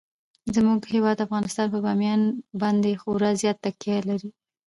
زموږ هیواد افغانستان په بامیان باندې خورا زیاته تکیه لري.